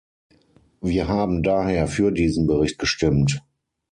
Wir haben daher für diesen Bericht gestimmt.